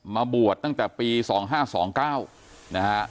มาบวชตั้งแต่ปี๒๕๒๙นะฮะ